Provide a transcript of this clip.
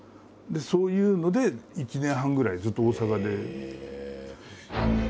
そういうので１年半ぐらいずっと大阪で。